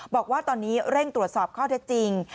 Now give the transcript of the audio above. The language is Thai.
บอกว่าตอนนี้เร่งตรวจสอบข้อเท็จจริง